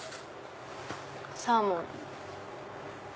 サーモン。